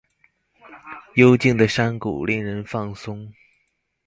幽靜的山谷令人放鬆